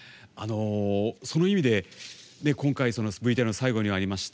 その意味で今回、ＶＴＲ最後にありました